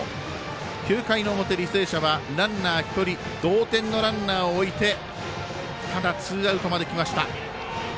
９回の表、履正社はランナー１人同点のランナーを置いてただツーアウトまできました。